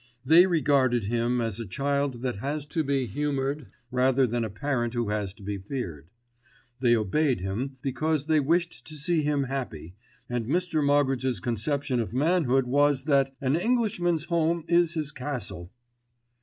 They regarded him as a child that has to be humoured, rather than a parent who has to be feared. They obeyed him because they wished to see him happy, and Mr. Moggridge's conception of manhood was that "an Englishman's home is his castle."